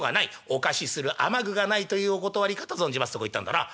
お貸しする雨具がないというお断りかと存じます』とこう言ったんだな」。